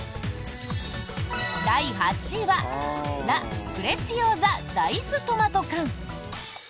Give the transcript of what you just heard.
第８位はラ・プレッツィオーザダイストマト缶。